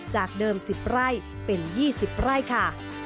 จากเดิม๑๐ไร่เป็น๒๐ไร่ค่ะ